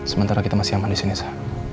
sementara kita masih aman disini sa